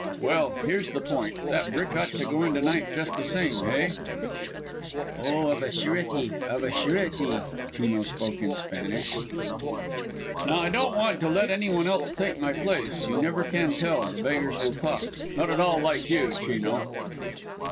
Well, here's the point. That brick ought to go in to night just the same, hey?" "Oh of a surety, of a surety." Chino spoke in Spanish. "Now I don't want to let any one else take my place you never can tell the beggars will talk. Not all like you, Chino."